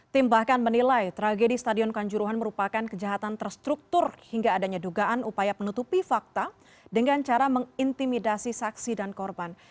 tim bahkan menilai tragedi stadion kanjuruhan merupakan kejahatan terstruktur hingga adanya dugaan upaya penutupi fakta dengan cara mengintimidasi saksi dan korban